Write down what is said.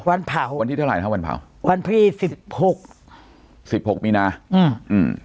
วันเผาวันที่เท่าไหร่นะวันเผาวันที่สิบหกสิบหกมีนาอืมอืม